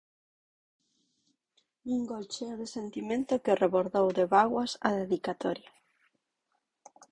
Un gol cheo de sentimento que rebordou de bágoas a dedicatoria.